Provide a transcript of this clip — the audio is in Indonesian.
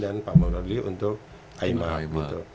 dan pak maruli untuk aimap